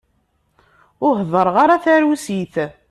Ur hedṛeɣ ara tarusit.